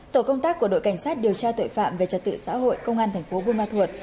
tổ công tác của đội cảnh sát điều tra tội phạm về trật tự xã hội công an thành phố buôn ma thuột